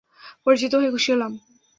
পরিচিত হয়ে খুশি হলাম।